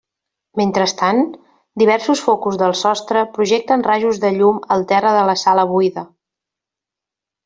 Mentrestant, diversos focus del sostre projecten rajos de llum al terra de la sala buida.